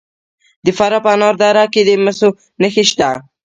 د فراه په انار دره کې د مسو نښې شته.